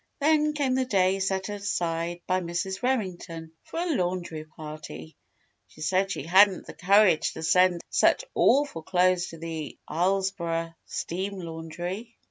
Then came the day set aside by Mrs. Remington for a "laundry party." She said she hadn't the courage to send such awful clothes to the Islesboro Steam Laundry.